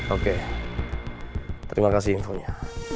oke terima kasih infonya